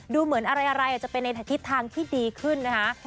ดูเหมือนอะไรอาจจะเป็นในทิศทางที่ดีขึ้นนะคะ